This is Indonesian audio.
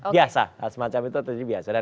biasa semacam itu itu jadi biasa